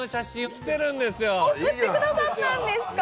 送ってくださったんですか！